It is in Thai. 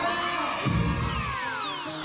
ในวันนี้ก็เป็นการประเดิมถ่ายเพลงแรก